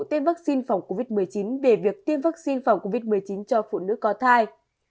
tiêm vaccine phòng covid một mươi chín về việc tiêm vaccine phòng covid một mươi chín cho phụ nữ có thai